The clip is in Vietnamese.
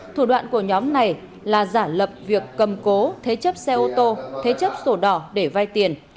thủ đoạn của nhóm này là giả lập việc cầm cố thế chấp xe ô tô thế chấp sổ đỏ để vai tiền